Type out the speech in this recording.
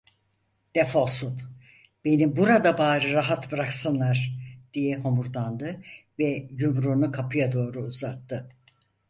Defolsun, beni burada bari rahat bıraksınlar! diye homurdandı ve yumruğunu kapıya doğru uzattı.